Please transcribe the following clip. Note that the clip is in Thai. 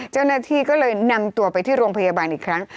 เจ้าหน้าที่ก็เลยนำตัวไปที่โรงพยาบาลอีกครั้ง